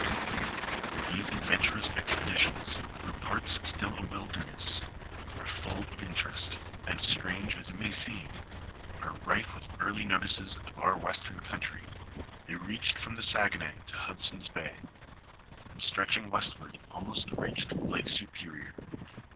These adventur ous expeditions through parts still a wilderness, are full of in terest, and, strange as it may seem, are rife with early notices of our western country ; they reached from the Saguenay to Hudson's bay, and stretching westward, almost reached Lake Superior.